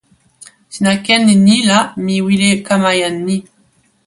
sina ken e ni la mi wile kama jan ni.